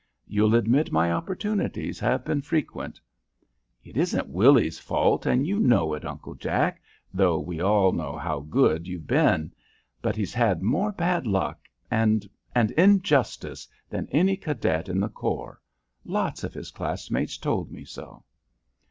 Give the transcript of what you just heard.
You'll admit my opportunities have been frequent." "It isn't Willy's fault, and you know it, Uncle Jack, though we all know how good you've been; but he's had more bad luck and and injustice than any cadet in the corps. Lots of his classmates told me so."